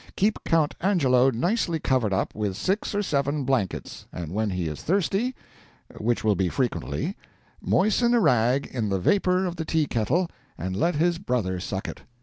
Keep Count Angelo nicely covered up with six or seven blankets, and when he is thirsty which will be frequently moisten a rag in the vapor of the tea kettle and let his brother suck it.